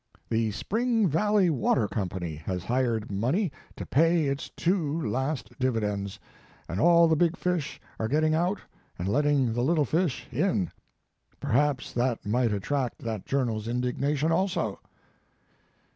The Spring Valley Water Company has hired money to pay its two last dividends, and all the big fish are getting out and letting the little fish in. Perhaps that might attract that journal s indignation also."